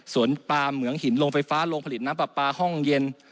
ปลาเหมืองหินโรงไฟฟ้าโรงผลิตน้ำปลาปลาห้องเย็น